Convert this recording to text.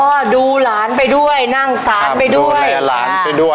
โหดูหลานไปด้วยนั่งสารไปด้วย